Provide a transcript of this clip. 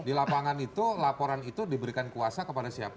di lapangan itu laporan itu diberikan kuasa kepada siapa